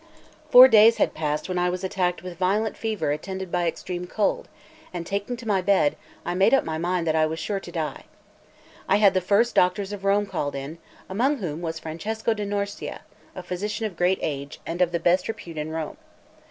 LXXXIV FOUR days had passed when I was attacked with violent fever attended by extreme cold; and taking to my bed, I made my mind up that I was sure to die. I had the first doctors of Rome called in, among whom was Francesco da Norcia, a physician of great age, and of the best repute in Rome.